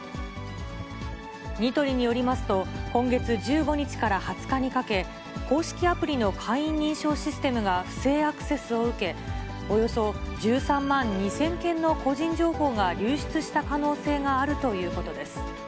ニトリによりますと、今月１５日から２０日にかけ、公式アプリの会員認証システムが不正アクセスを受け、およそ１３万２０００件の個人情報が流出した可能性があるということです。